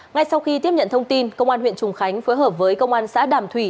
ngay sau khi tiếp nhận thông tin công an huyện trùng khánh phối hợp với công an xã đàm thủy